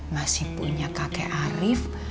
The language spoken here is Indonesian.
masih punya kakek arief